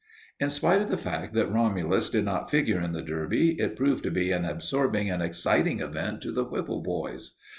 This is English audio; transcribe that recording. In spite of the fact that Romulus did not figure in the Derby, it proved to be an absorbing and exciting event to the Whipple boys.